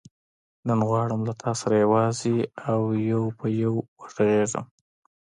نن غواړم له تا سره یوازې او یو پر یو وغږېږم.